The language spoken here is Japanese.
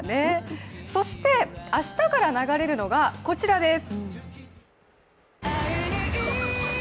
そして明日から流れるのがこちらです。